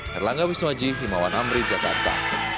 herlangga wisnuaji himawan amri jakarta